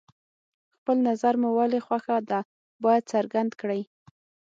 خپل نظر مو ولې خوښه ده باید څرګند کړئ.